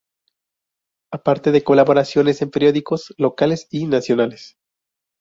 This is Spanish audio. Aparte de colaboraciones en periódicos locales y nacionales.